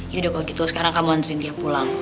yaudah kalau gitu sekarang kamu antrin dia pulang